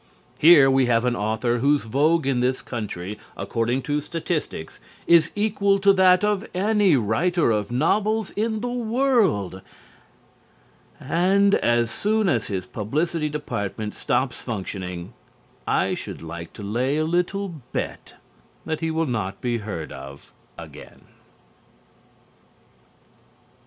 Here we have an author whose vogue in this country, according to statistics, is equal to that of any writer of novels in the world. And as soon as his publicity department stops functioning, I should like to lay a little bet that he will not be heard of again.